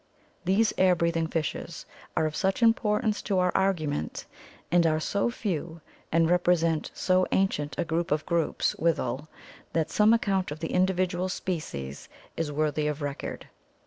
These air breathing fishes are of such importance to our argument, and are so few, and represent so ancient a group or groups withal that some account of the individual species is worthy of record.